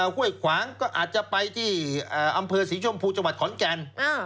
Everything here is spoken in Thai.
ห้วยขวางก็อาจจะไปที่อำเภอศรีชมพูจังหวัดขอนแก่น